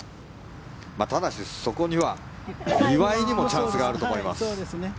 ただし、そこには岩井にもチャンスがあると思います。